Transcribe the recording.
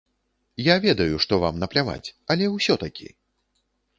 Я ведаю, што вам напляваць, але ўсё-такі?